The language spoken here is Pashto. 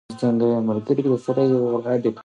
اداري مقررات د ادارې د نظم وسیله ده.